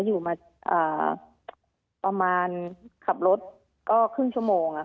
อยู่มาประมาณขับรถก็ครึ่งชั่วโมง